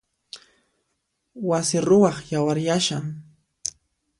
Wasi ruwaq yawaryashan.